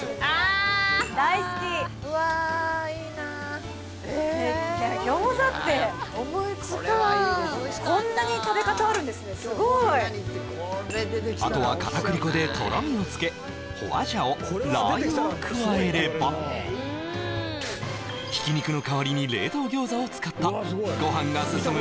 あ大好きうわいいな餃子って思いつかんすごいあとは片栗粉でとろみをつけ花椒ラー油を加えればひき肉の代わりに冷凍餃子を使ったご飯がすすむ